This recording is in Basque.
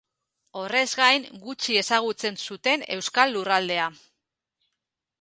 Horrez gain, gutxi ezagutzen zuten euskal lurraldea.